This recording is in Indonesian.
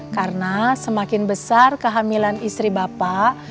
karena semakin besar kehamilan istri bapak